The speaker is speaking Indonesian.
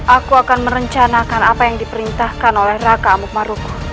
aku akan merencanakan apa yang diperintahkan oleh raka mukmaruf